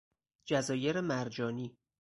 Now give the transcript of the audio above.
جزایر مرجانی